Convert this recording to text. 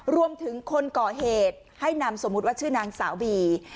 คนก่อเหตุให้นามสมมุติว่าชื่อนางสาวบี